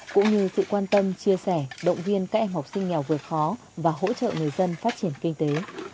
cũng như sự quan tâm chia sẻ động viên các em học sinh nghèo vượt khó và hỗ trợ người dân phát triển kinh tế